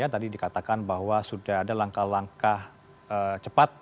tadi dikatakan bahwa sudah ada langkah langkah cepat